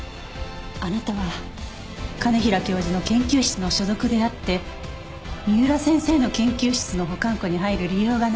あなたは兼平教授の研究室の所属であって三浦先生の研究室の保管庫に入る理由がない。